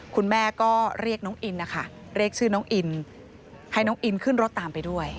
คุณแม่ก็เรียกน้องอินนะคะเรียกชื่อน้องอินให้น้องอินขึ้นรถตามไปด้วย